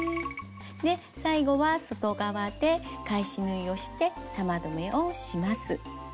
で最後は外側で返し縫いをして玉留めをします。